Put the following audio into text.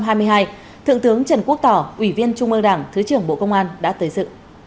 thượng tướng trần quốc tỏ ủy viên trung ương đảng thứ trưởng bộ công an đã tới dự